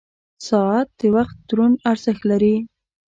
• ساعت د وخت دروند ارزښت لري.